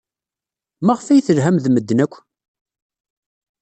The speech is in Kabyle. Maɣef ay telham ed medden akk?